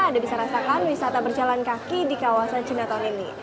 anda bisa rasakan wisata berjalan kaki di kawasan cinaton ini